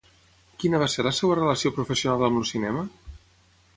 Quina va ser la seva relació professional amb el cinema?